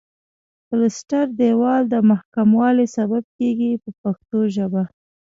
پلستر دېوال د محکموالي سبب کیږي په پښتو ژبه.